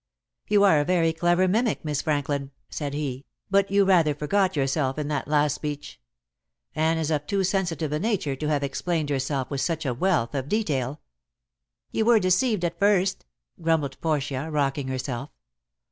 "You are a very clever mimic, Miss Franklin," said he, "but you rather forgot yourself in that last speech. Anne is of too sensitive a nature to have explained herself with such a wealth of detail." "You were deceived at first," grumbled Portia, rocking herself.